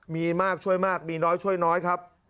มีมากช่วยมากมีน้อยช่วยน้อยครับ